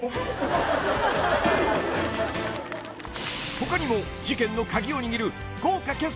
［他にも事件の鍵を握る］